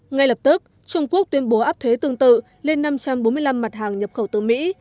ngay lập tức trung quốc tuyên bố áp thuế tương tự lên năm trăm bốn mươi năm mặt hàng nhập khẩu từ mỹ